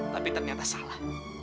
tapi ternyata salah